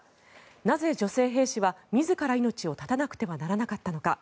なぜ、女性兵士は自ら命を絶たなくてはならなかったのか。